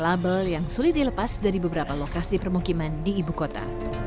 label yang sulit dilepas dari beberapa lokasi permukiman di ibu kota